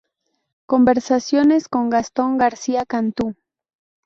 Conversaciones con Gastón García Cantú".